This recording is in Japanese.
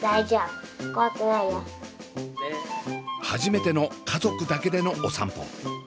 初めての家族だけでのお散歩。